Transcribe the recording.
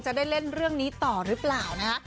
จะได้เล่นเรื่องนี้ต่อหรือเปล่านะฮะ